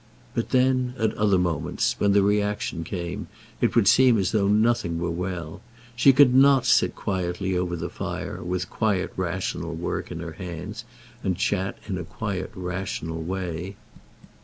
But then at other moments, when the reaction came, it would seem as though nothing were well. She could not sit quietly over the fire, with quiet rational work in her hands, and chat in a rational quiet way.